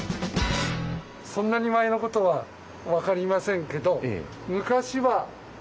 そんなに前のことは分かりませんけど昔は今のバス停の。